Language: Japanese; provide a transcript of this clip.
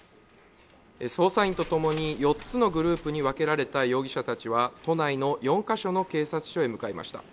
捜査員と共に４つのグループに分けられた容疑者たちは、都内の４か所の警察署へ向かいました。